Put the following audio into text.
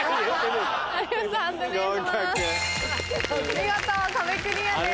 見事壁クリアです。